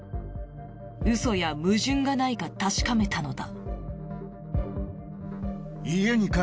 うそや矛盾がないか確かめたのだ。